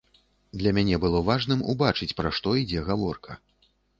Для мяне было важным убачыць, пра што ідзе гаворка.